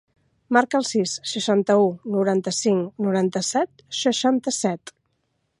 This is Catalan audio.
Marca el sis, seixanta-u, noranta-cinc, noranta-set, seixanta-set.